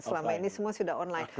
selama ini semua sudah online